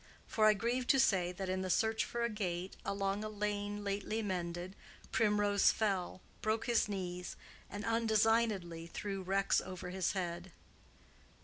For I grieve to say that in the search for a gate, along a lane lately mended, Primrose fell, broke his knees, and undesignedly threw Rex over his head.